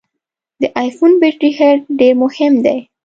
د ای فون بټري هلټ ډېر مهم دی.